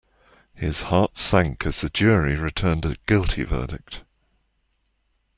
His heart sank as the jury returned a guilty verdict.